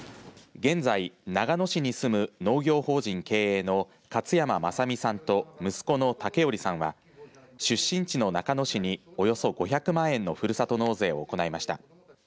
現在、中野市に住む農業法人経営の勝山正美さんと息子の剛頼さんは出身地の中野市におよそ５００万円のふるさと納税を行いました。